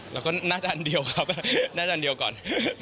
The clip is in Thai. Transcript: แล้วก็น่าจะอันเดียวครับน่าจะอันเดียวก่อน